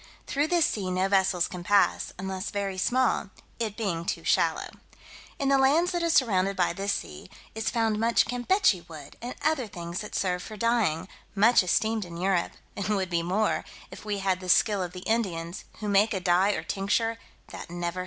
Through this sea no vessels can pass, unless very small, it being too shallow. In the lands that are surrounded by this sea, is found much Campechy wood, and other things that serve for dyeing, much esteemed in Europe, and would be more, if we had the skill of the Indians, who make a dye or tincture that never fades.